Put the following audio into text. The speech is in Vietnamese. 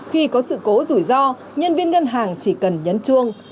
khi có sự cố rủi ro nhân viên ngân hàng chỉ cần nhấn chuông